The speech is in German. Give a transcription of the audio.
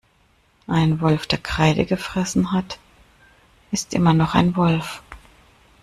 Ein Wolf, der Kreide gefressen hat, ist immer noch ein Wolf.